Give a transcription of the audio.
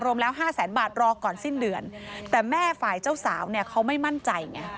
รวมแล้วห้าแสนบาทรอก่อนสิ้นเดือนแต่แม่ฝ่ายเจ้าสาวเนี่ยเขาไม่มั่นใจไง